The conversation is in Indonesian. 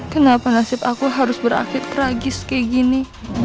kenapa nasib aku harus berakhir tragis kayak gini